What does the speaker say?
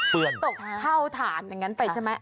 ตกเข้าถ่านไปใช่ไหม